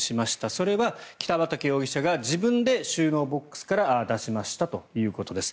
それは北畠容疑者が自分で収納ボックスから出しましたということです。